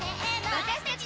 私たち。